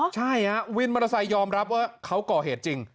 ใช่ฮะวินมอเตอร์ไซค์ยอมรับว่าเขาก่อเหตุจริง